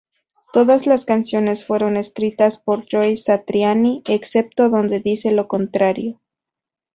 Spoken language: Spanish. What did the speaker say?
Todas las canciones fueron escritas por Joe Satriani, excepto donde dice lo contrario.